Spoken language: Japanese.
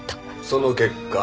その結果。